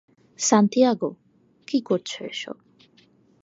Santiago, কী করছো এসব?